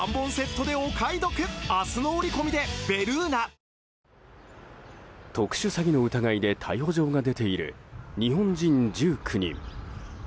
脂肪に選べる「コッコアポ」特殊詐欺の疑いで逮捕状が出ている日本人１９人。